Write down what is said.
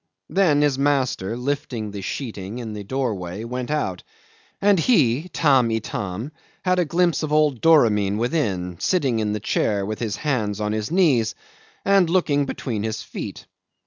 Then his master, lifting the sheeting in the doorway, went out, and he, Tamb' Itam, had a glimpse of old Doramin within, sitting in the chair with his hands on his knees, and looking between his feet.